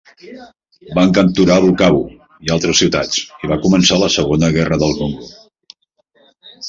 Van capturar Bukavu i altres ciutats, i va començar la Segona Guerra del Congo.